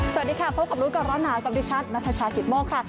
สวัสดีค่ะพบกับรู้ก่อนร้อนหนาวกับดิฉันนัทชายกิตโมกค่ะ